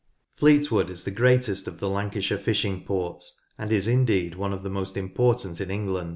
Fleetwood is the greatest of the Lancashire fishing ports, and is indeed one of the most important in England.